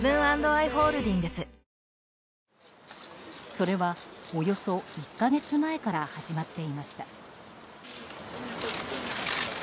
それは、およそ１か月前から始まっていました。